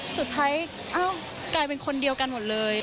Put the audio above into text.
สุดท้ายกลายเป็นคนเดียวกันหมดเลย